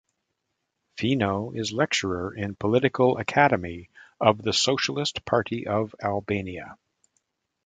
Fino is lecturer in Political Academy of the Socialist Party of Albania.